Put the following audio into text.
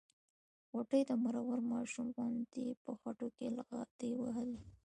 غوټۍ د مرور ماشوم غوندې په خټو کې لغتې وهلې.